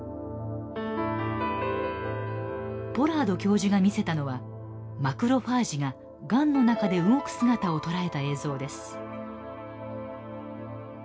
ポラード教授が見せたのはマクロファージががんの中で動く姿をとらえた映像です。